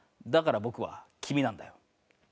だから僕は君なんだよ。